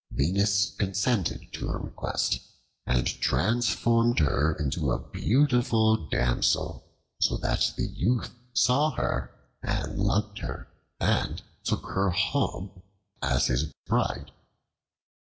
Venus consented to her request and transformed her into a beautiful damsel, so that the youth saw her and loved her, and took her home as his bride.